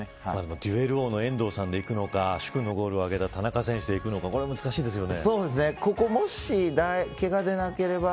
デュエル王の遠藤さんでいくのか至勲ゴールを挙げた田中選手でいくのか難しいですね。